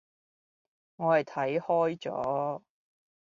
我係睇開咗